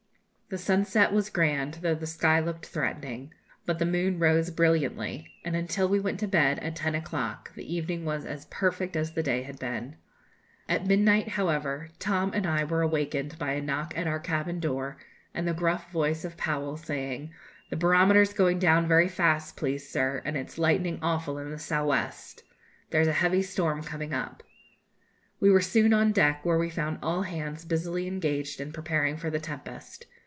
The sunset was grand, though the sky looked threatening; but the moon rose brilliantly, and until we went to bed, at ten o'clock, the evening was as perfect as the day had been. At midnight, however, Tom and I were awakened by a knock at our cabin door, and the gruff voice of Powell, saying: 'The barometer's going down very fast, please, sir, and it's lightning awful in the sou' west. There's a heavy storm coming up.' We were soon on deck, where we found all hands busily engaged in preparing for the tempest.